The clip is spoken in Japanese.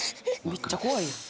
めっちゃ怖いやん。